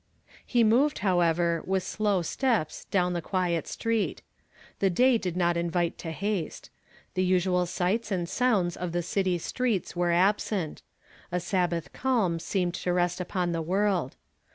He moved, however, with slow steps down the quiet street; the day did not invite to haste ; the usual sights and sounds of the city streets were absent; a Sabbath calm seemed to rest upon the world.